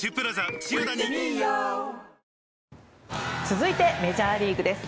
続いてメジャーリーグです。